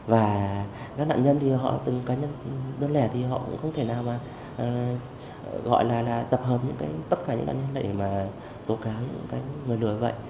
và các đạo nhân thì họ từng cá nhân đơn lẻ thì họ cũng không thể nào mà gọi là tập hợp tất cả những đạo nhân để mà tố cáo những người lừa vậy